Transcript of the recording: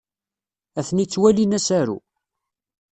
Atni ttwalin asaru.